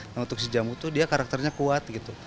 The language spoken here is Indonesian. nah untuk si jamu tuh dia karakternya kuat gitu